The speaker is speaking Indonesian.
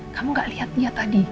kamu gak lihat dia tadi